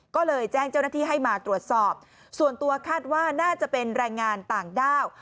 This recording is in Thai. ก็เลยแจ้งเจ้าหน้าที่ให้มาตรวจสอบส่วนตัวคาดว่าน่าจะเป็นแรงงานต่างด้าว